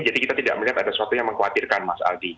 jadi kita tidak melihat ada sesuatu yang mengkhawatirkan mas adi